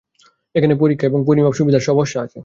এখানে পরীক্ষা এবং পরিমাপ সুবিধার আছে।